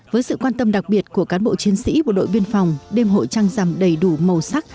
với sự quan tâm đặc biệt của cán bộ chiến sĩ bộ đội biên phòng đêm hội trăng rằm đầy đủ màu sắc